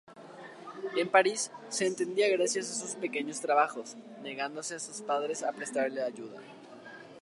En París se mantenía gracias a pequeños trabajos, negándose sus padres a prestarle ayuda.